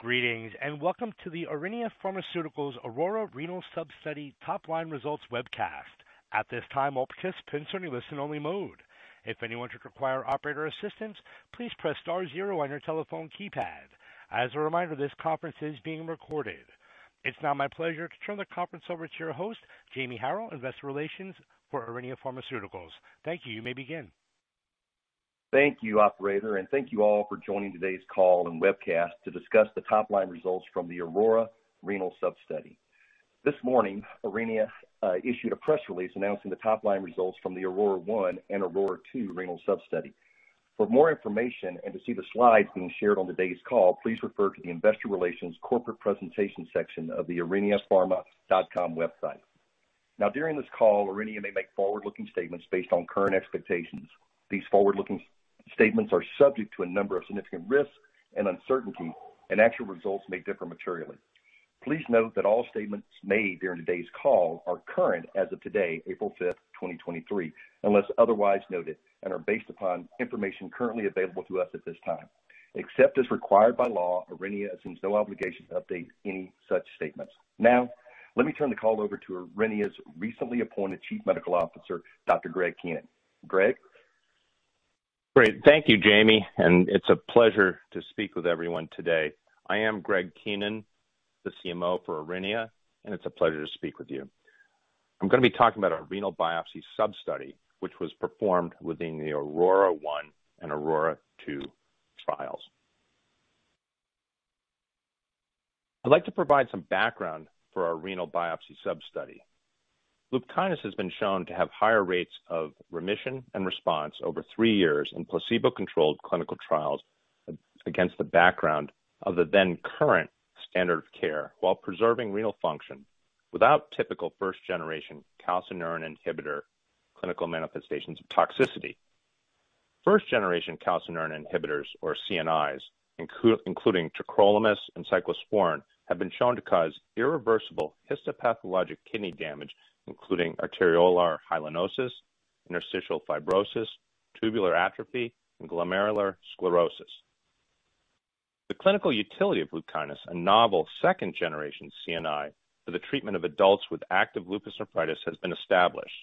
Greetings, welcome to the Aurinia Pharmaceuticals AURORA Renal Sub-study Top Line Results webcast. At this time, all participants are in a listen only mode. If anyone should require operator assistance, please press star zero on your telephone keypad. As a reminder, this conference is being recorded. It's now my pleasure to turn the conference over to your host, Jamie Harrell, investor relations for Aurinia Pharmaceuticals. Thank you. You may begin. Thank you, operator, and thank you all for joining today's call and webcast to discuss the top line results from the AURORA Renal Sub-study. This morning, Aurinia issued a press release announcing the top line results from the AURORA 1 and AURORA 2 Renal Sub-study. For more information and to see the slides being shared on today's call, please refer to the investor relations corporate presentation section of the auriniapharma.com website. During this call, Aurinia may make forward-looking statements based on current expectations. These forward-looking statements are subject to a number of significant risks and uncertainties, and actual results may differ materially. Please note that all statements made during today's call are current as of today, April 5, 2023, unless otherwise noted, and are based upon information currently available to us at this time. Except as required by law, Aurinia assumes no obligation to update any such statements. Let me turn the call over to Aurinia's recently appointed Chief Medical Officer, Dr. Greg Keenan. Greg? Great. Thank you, Jamie. It's a pleasure to speak with everyone today. I am Greg Keenan, the CMO for Aurinia. It's a pleasure to speak with you. I'm gonna be talking about our renal biopsy sub-study, which was performed within the AURORA 1 and AURORA 2 trials. I'd like to provide some background for our renal biopsy sub-study. LUPKYNIS has been shown to have higher rates of remission and response over three years in placebo-controlled clinical trials against the background of the then current standard of care while preserving renal function without typical first generation calcineurin inhibitor clinical manifestations of toxicity. First generation calcineurin inhibitors or CNIs, including tacrolimus and cyclosporine, have been shown to cause irreversible histopathologic kidney damage, including arteriolar hyalinosis, interstitial fibrosis, tubular atrophy, and glomerular sclerosis. The clinical utility of LUPKYNIS, a novel second generation CNI for the treatment of adults with active lupus nephritis, has been established.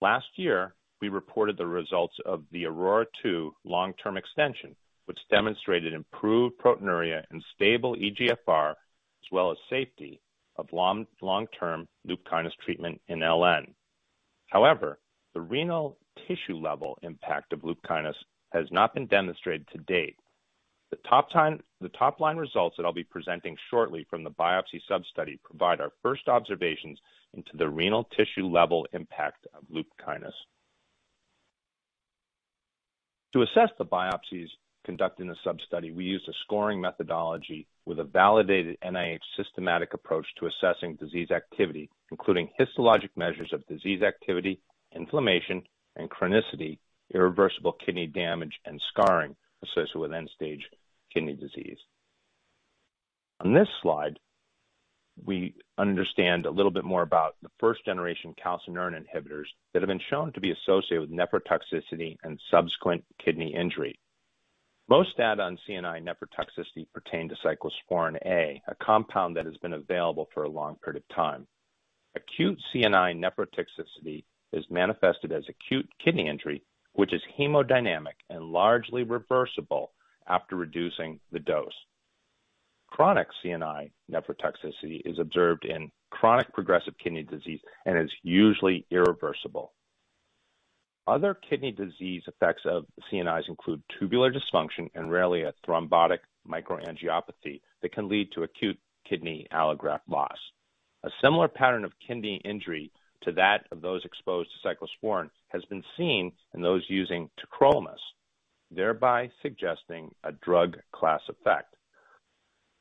Last year, we reported the results of the AURORA 2 long-term extension, which demonstrated improved proteinuria and stable eGFR, as well as safety of long-term LUPKYNIS treatment in LN. However, the renal tissue level impact of LUPKYNIS has not been demonstrated to date. The top line results that I'll be presenting shortly from the biopsy sub-study provide our first observations into the renal tissue level impact of LUPKYNIS. To assess the biopsies conducted in the sub-study, we used a scoring methodology with a validated NIH systematic approach to assessing disease activity, including histologic measures of disease activity, inflammation, and chronicity, irreversible kidney damage, and scarring associated with end-stage kidney disease. On this slide, we understand a little bit more about the first generation calcineurin inhibitors that have been shown to be associated with nephrotoxicity and subsequent kidney injury. Most data on CNI nephrotoxicity pertain to cyclosporine A, a compound that has been available for a long period of time. Acute CNI nephrotoxicity is manifested as acute kidney injury, which is hemodynamic and largely reversible after reducing the dose. Chronic CNI nephrotoxicity is observed in chronic progressive kidney disease and is usually irreversible. Other kidney disease effects of CNIs include tubular dysfunction and rarely a thrombotic microangiopathy that can lead to acute kidney allograft loss. A similar pattern of kidney injury to that of those exposed to cyclosporine has been seen in those using tacrolimus, thereby suggesting a drug class effect.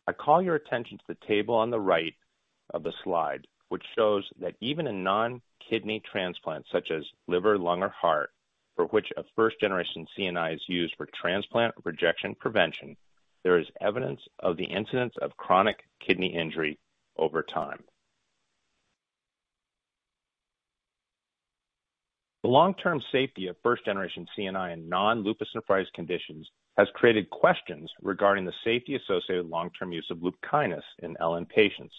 I call your attention to the table on the right of the slide, which shows that even in non-kidney transplants such as liver, lung, or heart, for which a first generation CNI is used for transplant rejection prevention, there is evidence of the incidence of chronic kidney injury over time. The long-term safety of first generation CNI in non-lupus nephritis conditions has created questions regarding the safety associated with long-term use of LUPKYNIS in LN patients.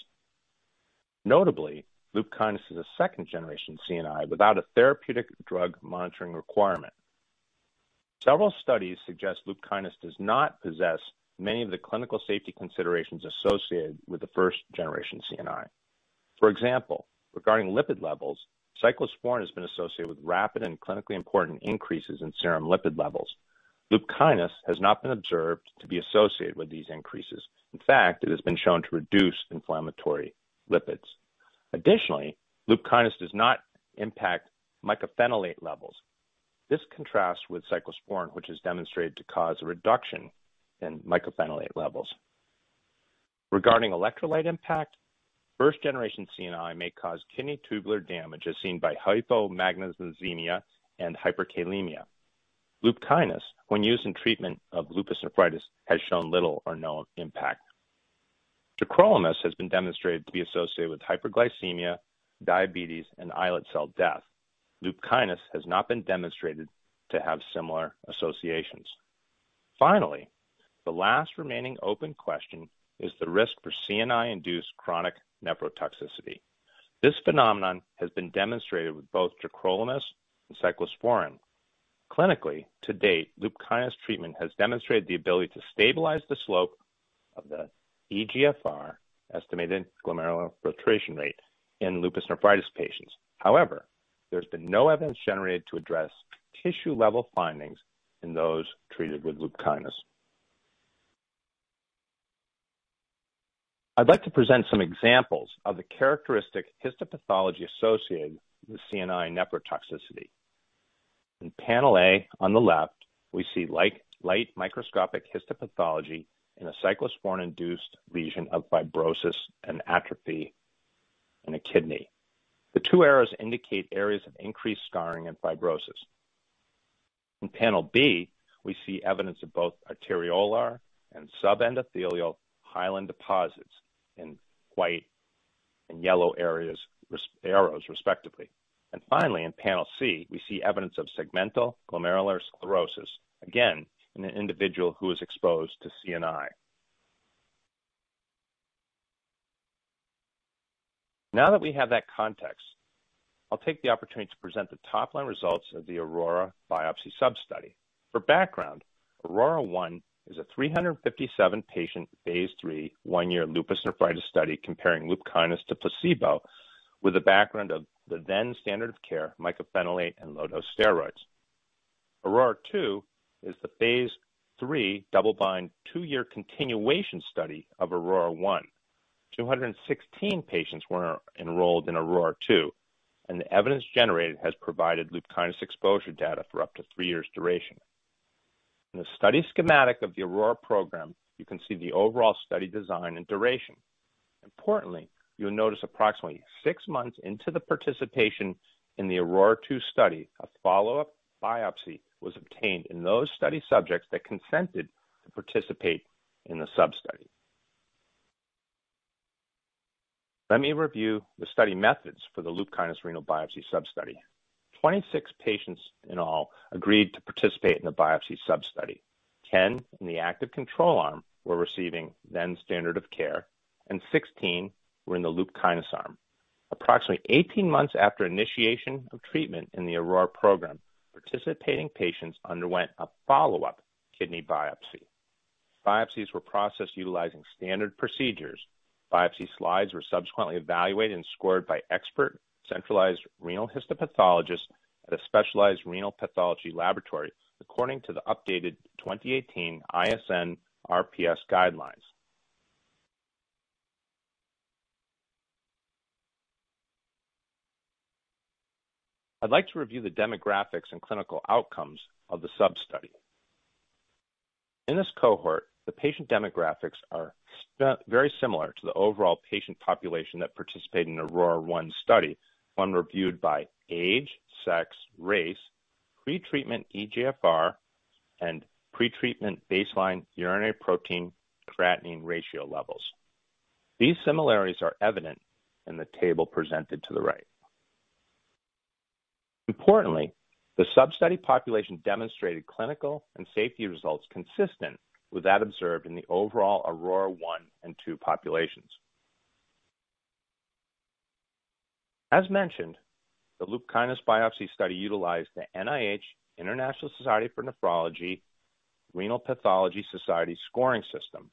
Notably, LUPKYNIS is a second generation CNI without a therapeutic drug monitoring requirement. Several studies suggest LUPKYNIS does not possess many of the clinical safety considerations associated with the first generation CNI. For example, regarding lipid levels, cyclosporine has been associated with rapid and clinically important increases in serum lipid levels. LUPKYNIS has not been observed to be associated with these increases. In fact, it has been shown to reduce inflammatory lipids. Additionally, LUPKYNIS does not impact mycophenolate levels. This contrasts with cyclosporine, which is demonstrated to cause a reduction in mycophenolate levels. Regarding electrolyte impact, first generation CNI may cause kidney tubular damage as seen by hypomagnesemia and hyperkalemia. LUPKYNIS, when used in treatment of lupus nephritis, has shown little or no impact. tacrolimus has been demonstrated to be associated with hyperglycemia, diabetes, and islet cell death. LUPKYNIS has not been demonstrated to have similar associations. Finally, the last remaining open question is the risk for CNI-induced chronic nephrotoxicity. This phenomenon has been demonstrated with both tacrolimus and cyclosporine. Clinically, to date, LUPKYNIS treatment has demonstrated the ability to stabilize the slope of the eGFR, estimated glomerular filtration rate, in lupus nephritis patients. There's been no evidence generated to address tissue-level findings in those treated with LUPKYNIS. I'd like to present some examples of the characteristic histopathology associated with CNI nephrotoxicity. In Panel A on the left, we see light microscopic histopathology in a cyclosporine-induced lesion of fibrosis and atrophy in a kidney. The two arrows indicate areas of increased scarring and fibrosis. In Panel B, we see evidence of both arteriolar and subendothelial hyaline deposits in white and yellow areas arrows respectively. Finally, in Panel C, we see evidence of segmental glomerular sclerosis, again, in an individual who is exposed to CNI. Now that we have that context, I'll take the opportunity to present the top-line results of the AURORA biopsy sub-study. For background, AURORA 1 is a 357 patient, phase III, 1-year lupus nephritis study comparing LUPKYNIS to placebo with a background of the then standard of care mycophenolate and low-dose steroids. AURORA 2 is the phase III double-blind, 2-year continuation study of AURORA 1. 216 patients were enrolled in AURORA 2, and the evidence generated has provided LUPKYNIS exposure data for up to 3 years duration. In the study schematic of the AURORA program, you can see the overall study design and duration. Importantly, you'll notice approximately 6 months into the participation in the AURORA 2 study, a follow-up biopsy was obtained in those study subjects that consented to participate in the sub-study. Let me review the study methods for the LUPKYNIS renal biopsy sub-study. 26 patients in all agreed to participate in the biopsy sub-study. 10 in the active control arm were receiving then standard of care, and 16 were in the LUPKYNIS arm. Approximately 18 months after initiation of treatment in the AURORA program, participating patients underwent a follow-up kidney biopsy. Biopsies were processed utilizing standard procedures. Biopsy slides were subsequently evaluated and scored by expert centralized renal histopathologists at a specialized renal pathology laboratory according to the updated 2018 ISN/RPS guidelines. I'd like to review the demographics and clinical outcomes of the sub-study. In this cohort, the patient demographics are very similar to the overall patient population that participated in the AURORA 1 study when reviewed by age, sex, race, pretreatment eGFR, and pretreatment baseline urine protein-to-creatinine ratio levels. These similarities are evident in the table presented to the right. Importantly, the sub-study population demonstrated clinical and safety results consistent with that observed in the overall AURORA 1 and 2 populations. As mentioned, the LUPKYNIS biopsy study utilized the NIH International Society for Nephrology Renal Pathology Society scoring system.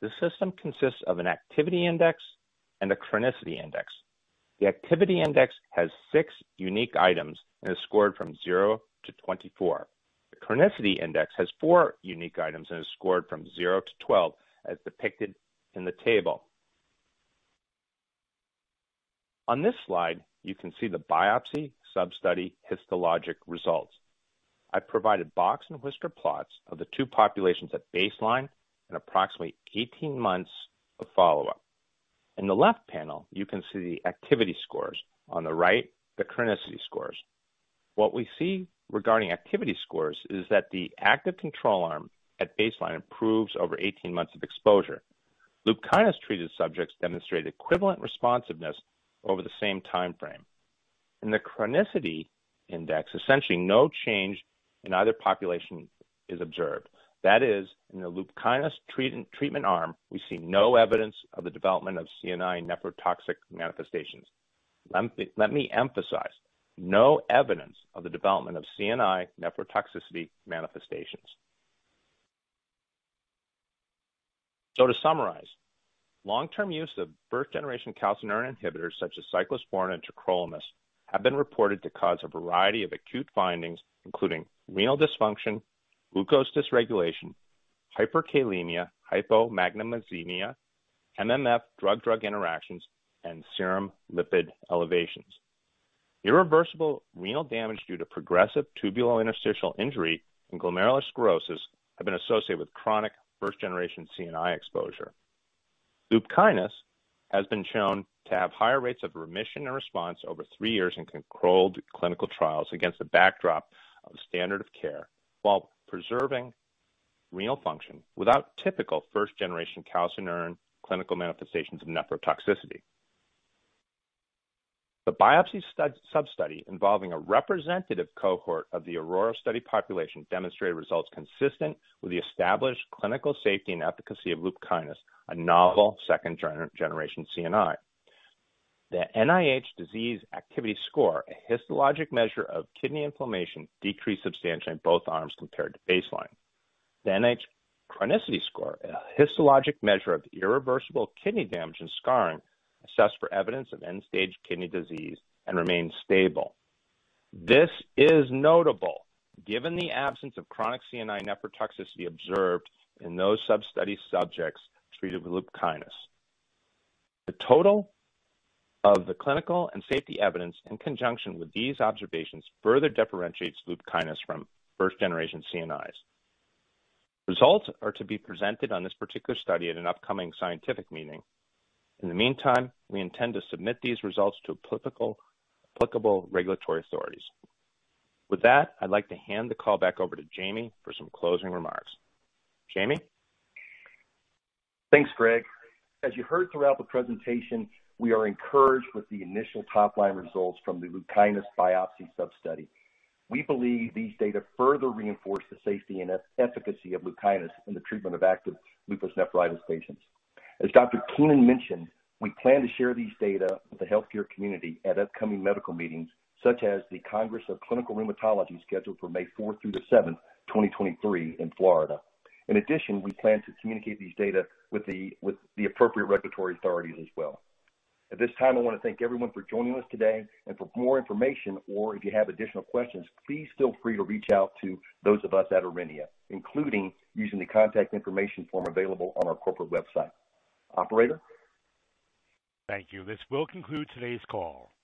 This system consists of an Activity Index and a Chronicity Index. The Activity Index has 6 unique items and is scored from 0-24. The Chronicity Index has four unique items and is scored from 0-12, as depicted in the table. On this slide, you can see the biopsy sub-study histologic results. I provided box and whisker plots of the two populations at baseline and approximately 18 months of follow-up. In the left panel, you can see the activity scores. On the right, the chronicity scores. What we see regarding activity scores is that the active control arm at baseline improves over 18 months of exposure. LUPKYNIS-treated subjects demonstrate equivalent responsiveness over the same timeframe. In the Chronicity Index, essentially no change in either population is observed. That is, in the LUPKYNIS treatment arm, we see no evidence of the development of CNI nephrotoxic manifestations. Let me emphasize, no evidence of the development of CNI nephrotoxicity manifestations. To summarize, long-term use of first-generation calcineurin inhibitors such as cyclosporine and tacrolimus have been reported to cause a variety of acute findings, including renal dysfunction, glucose dysregulation, hyperkalemia, hypomagnesemia, MMF drug-drug interactions, and serum lipid elevations. Irreversible renal damage due to progressive tubulointerstitial injury and glomerular sclerosis have been associated with chronic first-generation CNI exposure. LUPKYNIS has been shown to have higher rates of remission and response over three years in controlled clinical trials against the backdrop of standard of care, while preserving renal function without typical first-generation calcineurin clinical manifestations of nephrotoxicity. The biopsy sub-study involving a representative cohort of the AURORA study population demonstrated results consistent with the established clinical safety and efficacy of LUPKYNIS, a novel second-generation CNI. The NIH Disease Activity Score, a histologic measure of kidney inflammation, decreased substantially in both arms compared to baseline. The NIH Chronicity Index, a histologic measure of irreversible kidney damage and scarring, assessed for evidence of end-stage kidney disease and remained stable. This is notable given the absence of chronic CNI nephrotoxicity observed in those sub-study subjects treated with LUPKYNIS. The total of the clinical and safety evidence in conjunction with these observations further differentiates LUPKYNIS from first-generation CNIs. Results are to be presented on this particular study at an upcoming scientific meeting. In the meantime, we intend to submit these results to applicable regulatory authorities. With that, I'd like to hand the call back over to Jamie for some closing remarks. Jamie? Thanks, Greg. As you heard throughout the presentation, we are encouraged with the initial top-line results from the LUPKYNIS biopsy sub-study. We believe these data further reinforce the safety and efficacy of LUPKYNIS in the treatment of active lupus nephritis patients. As Dr. Keenan mentioned, we plan to share these data with the healthcare community at upcoming medical meetings, such as the Congress of Clinical Rheumatology, scheduled for May 4th through May 7th, 2023 in Florida. We plan to communicate these data with the appropriate regulatory authorities as well. At this time, I want to thank everyone for joining us today. For more information or if you have additional questions, please feel free to reach out to those of us at Aurinia, including using the contact information form available on our corporate website. Operator? Thank you. This will conclude today's call.